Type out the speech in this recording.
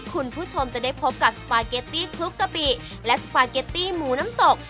คุณผู้ชมจะได้พบกับสปาเกตตี้คลุกกะปิและสปาเกตตี้หมูน้ำตก